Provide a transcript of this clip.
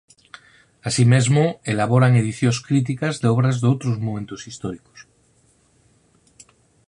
Así mesmo elaboran edicións críticas de obras doutros momentos históricos.